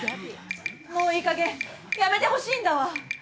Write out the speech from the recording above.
もういいかげんやめてほしいんだわ。